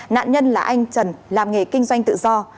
nạn nhân là anh trần làm nghề kinh doanh tự do